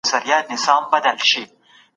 موږ باید ماشومان مطالعې ته وهڅوو.